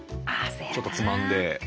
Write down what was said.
ちょっとつまんで。